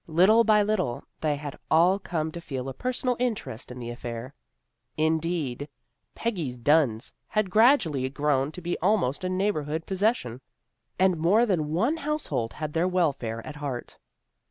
Little by little they had all come to feel a personal interest in the affair. Indeed " Peggy's Dunns " had gradually grown to be almost a neighborhood possession, and more than one household had their welfare at heart.